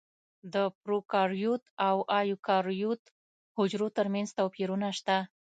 د پروکاریوت او ایوکاریوت حجرو ترمنځ توپیرونه شته.